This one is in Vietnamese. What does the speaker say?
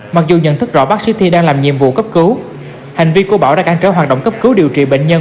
mặc dù nhận thức rõ bác sĩ thi đang làm nhiệm vụ cấp cứu hành vi của bảo đã cản trở hoạt động cấp cứu điều trị bệnh nhân